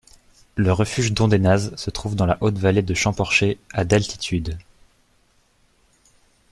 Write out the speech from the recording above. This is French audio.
Le refuge Dondénaz se trouve dans la haute vallée de Champorcher, à d'altitude.